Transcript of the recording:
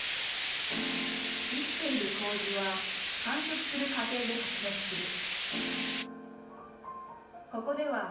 生きているこうじは繁殖する過程で発熱する。